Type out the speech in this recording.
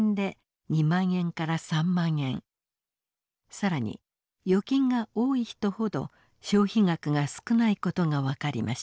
更に預金が多い人ほど消費額が少ないことが分かりました。